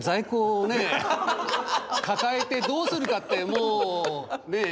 どうするかってもうねえ。